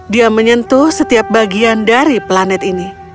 dia menyentuh setiap bagian dari planet ini